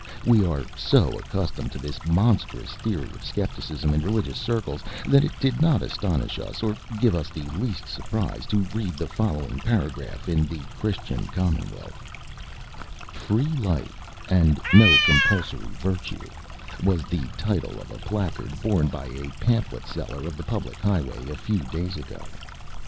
We are so accustomed to this monstrous theory of scepticism in religious circles, that it did not astonish us, or give us the least surprise, to read the following paragraph in the Christian Commonwealth "Free Life, and No Compulsory Virtue, was the title of a placard borne by a pamphlet seller of the public highway a few days ago.